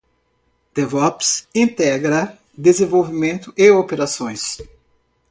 DevOps integra desenvolvimento e operações.